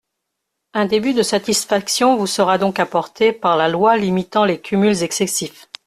Un début de satisfaction vous sera donc apporté par la loi limitant les cumuls excessifs.